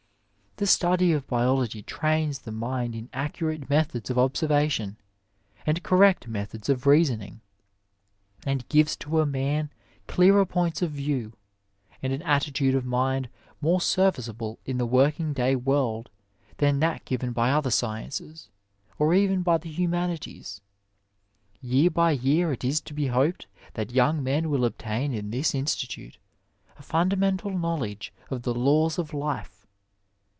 The study of biol(^ trains the mind in accurate methods of observation and correct methods of reasoning, and gives to a man clearer points at view, and an attitude of mind more serviceable in the working day world than that given by other sciences, or even by the humanities. Tear by year it is to be hoped that young men will obtain in this Institute a fundamental knowledge of the laws of life.